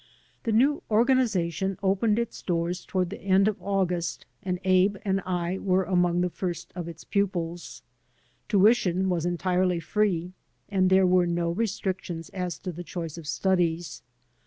The new organization opened its doors toward the end of August, and Abe and I were among the first of its pupils. Tuition was entirely free, and there were no restrictions as to the choice of studies.